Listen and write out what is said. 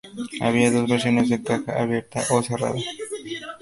Había dos versiones de caja abierta o cerrada.